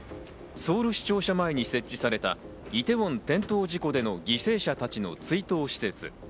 ソウル市庁舎前に設置されたイテウォン転倒事故での犠牲者たちの追悼施設。